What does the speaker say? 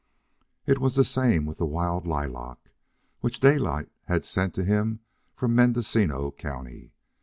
It was the same with the wild lilac, which Daylight had sent to him from Mendocino County.